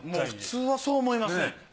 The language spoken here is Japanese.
普通はそう思いますね。ねぇ。